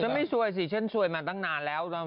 ไม่ซวยสิฉันซวยมาตั้งนานแล้ว